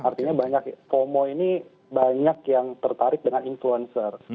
artinya banyak fomo ini banyak yang tertarik dengan influencer